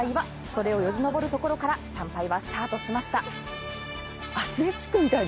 それをよじ登るところから参拝はスタートしました。